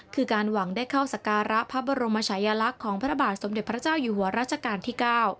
คือการหวังได้เข้าสการะพระบรมชายลักษณ์ของพระบาทสมเด็จพระเจ้าอยู่หัวรัชกาลที่๙